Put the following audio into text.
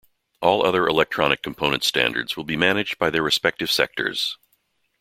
All other electronic components standards will be managed by their respective sectors.